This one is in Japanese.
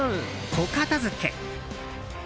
“小片づけ”」。